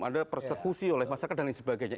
anda persekusi oleh masyarakat dan lain sebagainya